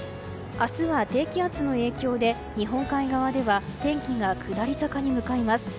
明日は低気圧の影響で日本海側では天気が下り坂に向かいます。